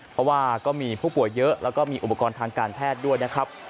เพราะว่าก็มีผู้ป่วยเยอะแล้วก็มีอุปกรณ์ทางการแพทย์ด้วยนะครับ